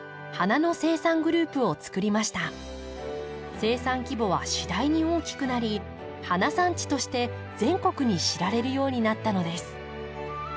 生産規模は次第に大きくなり花産地として全国に知られるようになったのです。